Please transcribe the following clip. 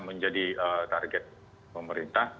menjadi target pemerintah